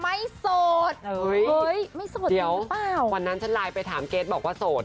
ไม่โสดหรือเปล่าเห้ยเดี๋ยววันนั้นฉันไลน์ไปถามเกศบอกว่าโสด